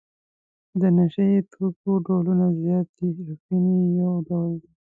د نشه یي توکو ډولونه زیات دي اپین یې یو ډول دی.